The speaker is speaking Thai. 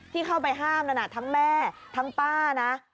ที่เข้าไปห้ามนั้นทั้งแม่ทั้งป้านะ